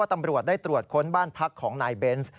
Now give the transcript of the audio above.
ตำรวจได้ตรวจค้นบ้านพักของนายเบนส์